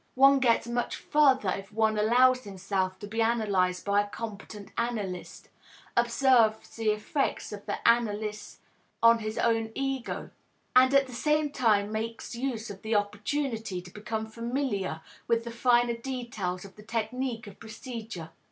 One gets much further if one allows himself to be analyzed by a competent analyst, observes the effect of the analysis on his own ego, and at the same time makes use of the opportunity to become familiar with the finer details of the technique of procedure.